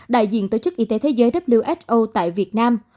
đại diện tổ chức y tế thế giới who tại việt nam